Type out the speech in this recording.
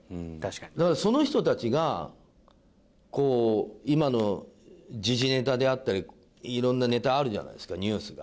だからその人たちが今の時事ネタであったりいろんなネタあるじゃないですかニュースが。